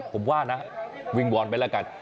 ผมว่านะวิงวอนไปแล้วกัน